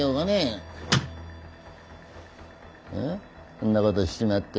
そんなことをしちまって。